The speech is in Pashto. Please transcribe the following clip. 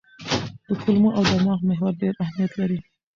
د کولمو او دماغ محور ډېر اهمیت لري.